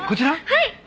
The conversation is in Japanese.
はい。